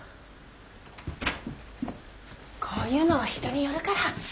こういうのは人によるから。